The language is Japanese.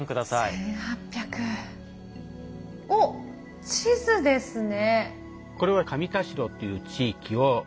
おっ地図ですね。